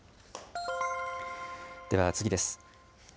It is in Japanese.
では次です。